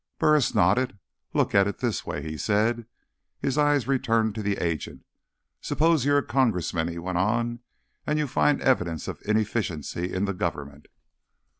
Burris nodded. "Look at it this way," he said. His eyes returned to the agent. "Suppose you're a congressman," he went on, "and you find evidence of inefficiency in the government."